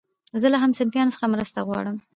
زه له همصنفيانو څخه مرسته غواړم.